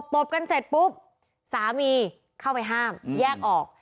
ตบกันเสร็จปุ๊บสามีเข้าไปห้ามแยกออก